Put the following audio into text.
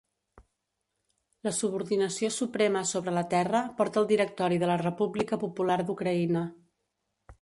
La subordinació suprema sobre la terra porta el Directori de la República Popular d'Ucraïna.